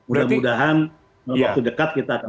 mudah mudahan waktu dekat kita akan